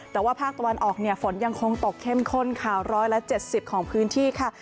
แต่ว่าภาคตะวันออกเนี่ยฝนยังคงตกเข้มข้นค่ะ๑๗๐ของพื้นที่ค่ะ